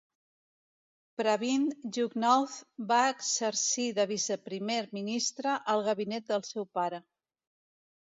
Pravind Jugnauth va exercir de viceprimer ministre al gabinet del seu pare.